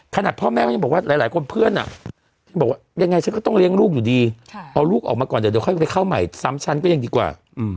ขนาดพ่อแม่ก็ยังบอกว่าหลายคนเพื่อนที่บอกว่ายังไงฉันก็ต้องเลี้ยงลูกอยู่ดีเอาลูกออกมาก่อนเดี๋ยวค่อยไปเข้าใหม่ซ้ำฉันก็ยังดีกว่า